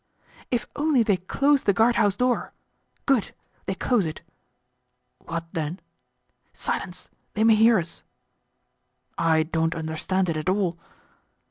"If only they close the guardhouse door! Good! They close it." "What, then?" "Silence! They may hear us." "I don't understand it at all."